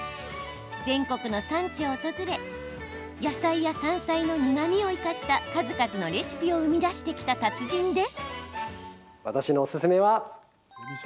全国の産地を訪れ野菜や山菜の苦みを生かした数々のレシピを生み出してきた達人です。